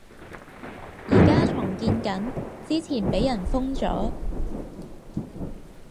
而家重建緊，之前畀人封咗